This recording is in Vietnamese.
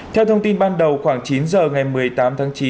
theo thông tin ban đầu khoảng chín giờ ngày một mươi tám tháng chín